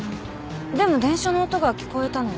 でも電車の音が聞こえたのは？